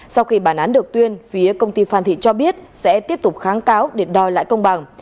sau khi bản án được tuyên phía công ty phan thị cho biết sẽ tiếp tục kháng cáo để đòi lại công bằng